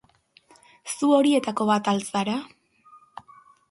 Zu horietako bat al zara?